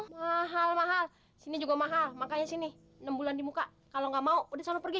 mahal mahal sini juga mahal makanya sini enam bulan dibuka kalau nggak mau udah solo pergi